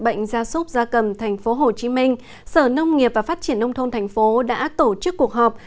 bệnh gia súc gia cầm tp hcm sở nông nghiệp và phát triển nông thôn thành phố đã tổ chức cuộc họp